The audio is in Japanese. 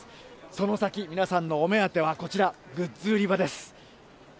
その先、皆さんのお目当てはこちら、グッズ売り場です。